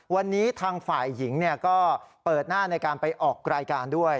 วันนี้ทางฝ่ายหญิงก็เปิดหน้าในการไปออกรายการด้วย